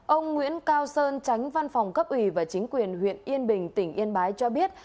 ông nguyễn cao sơn tránh văn phòng cấp ủy và chính quyền huyện yên bình tỉnh yên bái cho biết